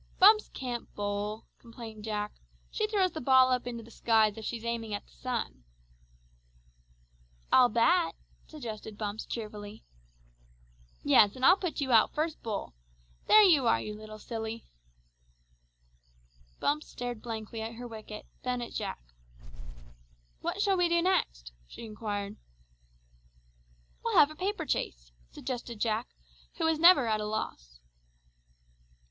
"Bumps can't bowl," complained Jack; "she throws the ball up into the sky as if she's aiming at the sun." "I'll bat," suggested Bumps cheerfully. "Yes, and I'll put you out, first bowl. There you are, you little stupid!" Bumps stared blankly at her wicket, then at Jack. "What shall we do next?" she inquired. "We'll have a paper chase," suggested Jack, who was never at a loss.